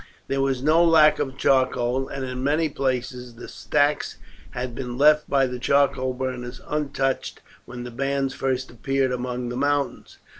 There was no lack of charcoal, and in many places the stacks had been left by the charcoal burners untouched when the bands first appeared among the mountains.